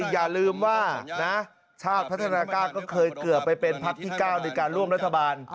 อย่าลืมว่านะชาติพัฒนากล้าก็เคยเกือบไปเป็นพักที่๙ในการร่วมรัฐบาล